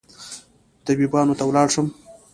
طبيبانو ته ولاړ شم